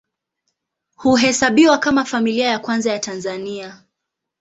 Huhesabiwa kama Familia ya Kwanza ya Tanzania.